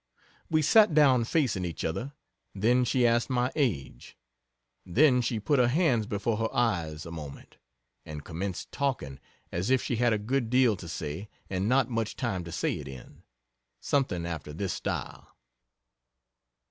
We sat down facing each other. Then she asked my age. Then she put her hands before her eyes a moment, and commenced talking as if she had a good deal to say and not much time to say it in. Something after this style: MADAME.